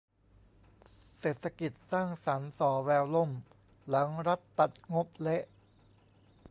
เศรษฐกิจสร้างสรรค์ส่อแววล่ม หลังรัฐตัดงบเละ